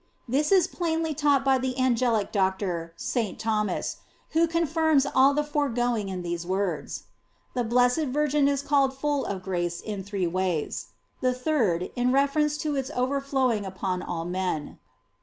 * This is plainly taught by the angelio Doctor, St. Thomas, who confirms all the fore going in these words: The blessed Virgin is call ed full of grace in three ways The third, in reference to its overflowing upon all men.